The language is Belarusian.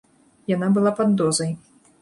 Яна была пад дозай.